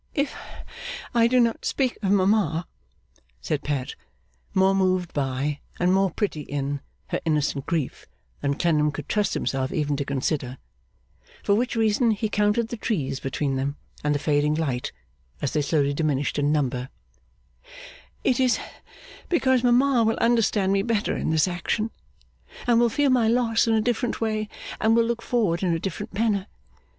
'If I do not speak of mama,' said Pet, more moved by, and more pretty in, her innocent grief, than Clennam could trust himself even to consider for which reason he counted the trees between them and the fading light as they slowly diminished in number 'it is because mama will understand me better in this action, and will feel my loss in a different way, and will look forward in a different manner.